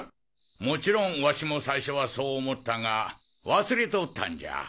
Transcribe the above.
もちろんわしも最初はそう思ったが忘れておったんじゃ！